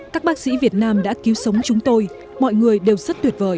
các bác sĩ việt nam đã cứu sống chúng tôi mọi người đều rất tuyệt vời